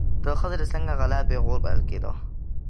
د ښځې له څنګه غلا پیغور بلل کېده.